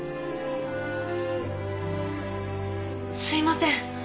すいません。